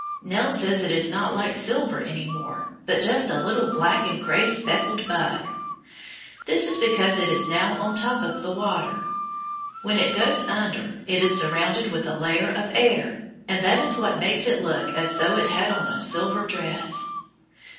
Nell says it is not like silver any more, but just a little black and gray speckled bug. That is because it is now on top of the water. When it goes under it is surrounded with a layer of air, and that is what makes it look as though it had on a silver dress.